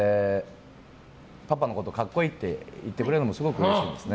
パパのこと格好いいって言ってくれるのもすごくうれしいんですね。